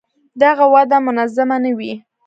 دغه وده منظمه نه وي.